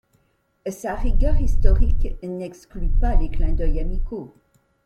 Sa rigueur historique n'exclut pas les clins d’œil amicaux.